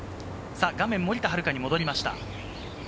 画面、森田遥に戻りました。